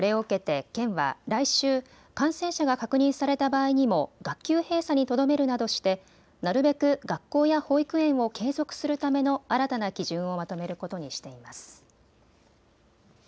これを受けて県は来週、感染者が確認された場合にも学級閉鎖にとどめるなどしてなるべく学校や保育園を継続するための新たな基準をまとめることにしています。